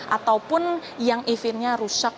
ataupun yang eventnya rusak